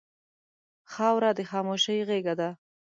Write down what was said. خاوره د خاموشۍ غېږه ده.